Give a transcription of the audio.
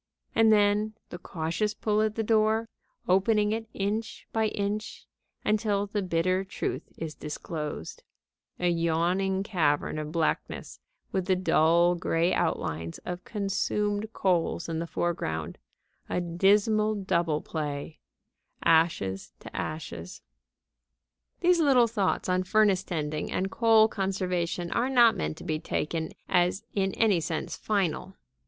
And then the cautious pull at the door, opening it inch by inch, until the bitter truth is disclosed a yawning cavern of blackness with the dull, gray outlines of consumed coals in the foreground, a dismal double play: ashes to ashes. These little thoughts on furnace tending and coal conservation are not meant to be taken as in any sense final.